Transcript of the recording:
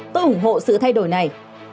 tôi ủng hộ sự thay đổi này